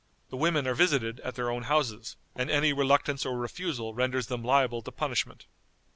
The women are visited at their own houses, and any reluctance or refusal renders them liable to punishment.